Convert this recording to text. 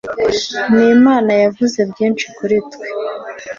nimana yavuze byinshi kuri twe